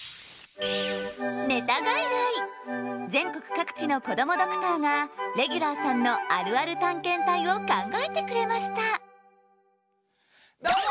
全国各地のこどもドクターがレギュラーさんのあるある探検隊を考えてくれましたどうも！